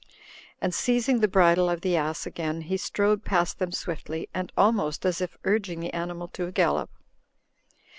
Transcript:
And seizing the bridle of the ass again, he strode past them swiftly, and almost as if urging the animal to a gallop.